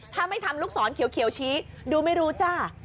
ถ้าไม่ทำลูกศรเขียวชี้ดูไม่รู้จ้า